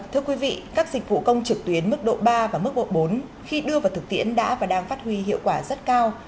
thưa quý vị các dịch vụ công trực tuyến mức độ ba và mức độ bốn khi đưa vào thực tiễn đã và đang phát huy hiệu quả rất cao